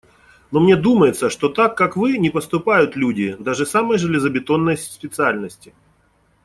Но мне думается, что так, как вы, не поступают люди… даже самой железобетонной специальности.